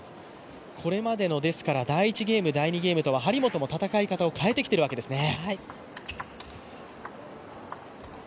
これまでの第１ゲーム、第２ゲームとは張本も戦い方を変えてきているわけですね。